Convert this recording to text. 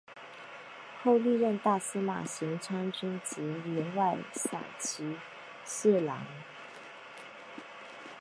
后历任大司马行参军及员外散骑侍郎。